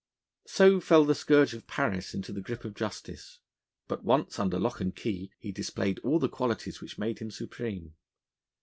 So fell the scourge of Paris into the grip of justice. But once under lock and key, he displayed all the qualities which made him supreme.